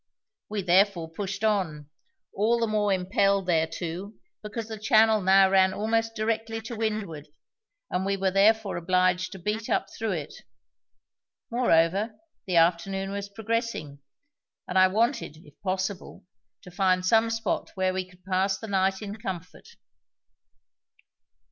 We therefore pushed on, all the more impelled thereto because the channel now ran almost directly to windward and we were therefore obliged to beat up through it; moreover, the afternoon was progressing, and I wanted, if possible, to find some spot where we could pass the night in comfort.